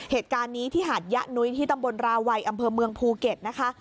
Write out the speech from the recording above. เหตุการณีที่หาดใยะนุ้ยทิศตำบลราวัยอำเมิงภูเกตนะคะ